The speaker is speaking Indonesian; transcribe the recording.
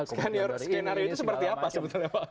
skenario itu seperti apa sebetulnya pak